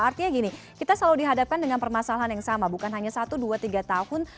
artinya gini kita selalu dihadapkan dengan permasalahan yang sama bukan hanya satu dua tiga tahun